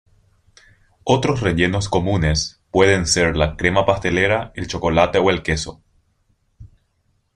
Otros rellenos comunes pueden ser la crema pastelera, el chocolate o el queso.